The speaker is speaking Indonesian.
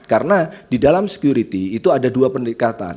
karena di dalam security itu ada dua pendekatan